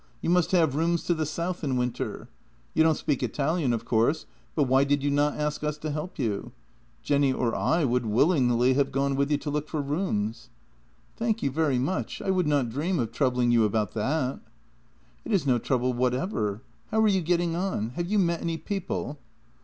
You must have rooms to the south in winter. You don't speak Italian, of course, but why did you not ask us to help you? Jenny or I would willingly have gone with you to look for rooms." " Thank you very much. I would not dream of troubling you about that." " It is no trouble whatever. How are you getting on? Have you met any people?